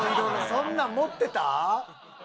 そんなん持ってた？